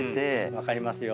分かりますよ。